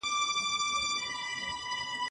که ورزش ونه کړئ نو ژر به ناروغه شئ.